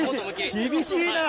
厳しいなぁ。